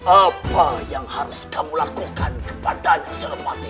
apa yang harus kamu lakukan ke badan senopati